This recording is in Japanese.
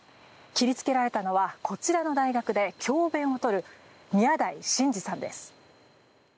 切りつけられたのはこちらの大学で教べんを執る宮台真司さんです。